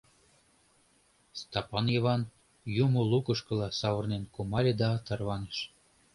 Стапан Йыван юмо лукышкыла савырнен кумале да тарваныш.